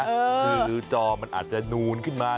คือจอมันอาจจะนูนขึ้นมา